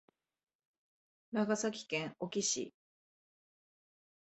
長崎県壱岐市